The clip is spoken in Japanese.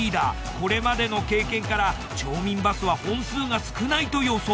これまでの経験から町民バスは本数が少ないと予想。